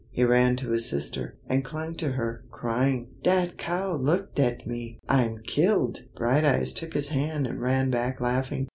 He ran to his sister, and clung to her, crying, "Dat cow looked at me! I'm killed!" Brighteyes took his hand and ran back laughing.